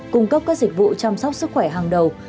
cung cấp các dịch vụ chăm sóc sức khỏe hàng đầu